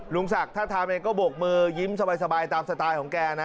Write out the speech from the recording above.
ลุงศักดิ์ถ้าทำเองก็บกมือยิ้มสบายตามสไตล์ของแกนะ